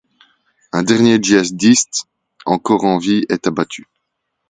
Un dernier djihadiste encore en vie est abattu.